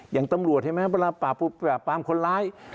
อย่างตำรวจเห็นไหมเวลาปราบคนร้าย